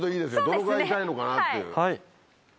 どのぐらい痛いのかなっていう。